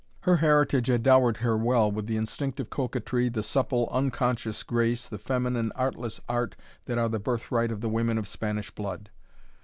Her heritage had dowered her well with the instinctive coquetry, the supple, unconscious grace, the feminine, artless art that are the birthright of the women of Spanish blood.